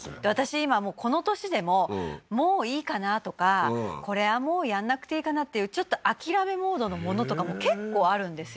今この年でももういいかなとかこれはもうやんなくていいかなっていうちょっと諦めモードのものとかも結構あるんですよ